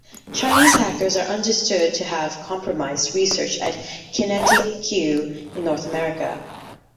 Chinese hackers are understood to have compromised research at QinetiQ in North America.